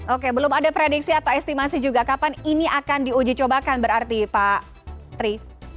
oke belum ada prediksi atau estimasi juga kapan ini akan diuji cobakan berarti pak tri